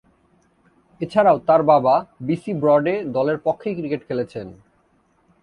এছাড়াও, তার বাবা বিসি ব্রড এ দলের পক্ষেই ক্রিকেট খেলেছেন।